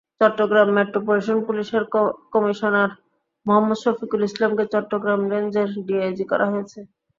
Chittagong metropolitan পুলিশের commissioner Mohammad Shafiqul ইসলামকে চট্টগ্রাম রেঞ্জের ডিআইজি করা হয়েছে।